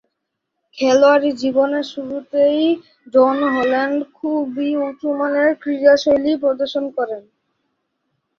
খেলোয়াড়ী জীবনের শুরুতেই জন হল্যান্ড খুবই উঁচুমানের ক্রীড়াশৈলী প্রদর্শন করেন।